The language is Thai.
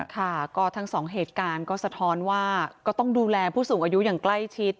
ค่ะก็ทั้งสองเหตุการณ์ก็สะท้อนว่าก็ต้องดูแลผู้สูงอายุอย่างใกล้ชิด